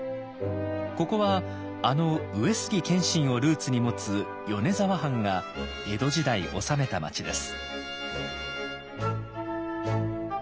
ここはあの上杉謙信をルーツに持つ米沢藩が江戸時代治めた町です。